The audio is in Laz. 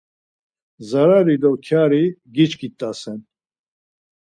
Zarari do kyari giçkit̆asen.